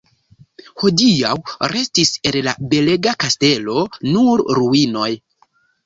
Hodiaŭ restis el la belega kastelo nur ruinoj.